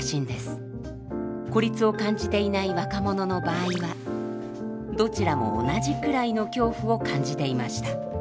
孤立を感じていない若者の場合はどちらも同じくらいの恐怖を感じていました。